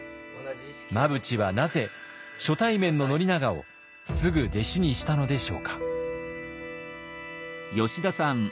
真淵はなぜ初対面の宣長をすぐ弟子にしたのでしょうか？